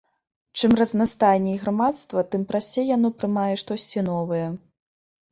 Чым разнастайней грамадства, тым прасцей яно прымае штосьці новае.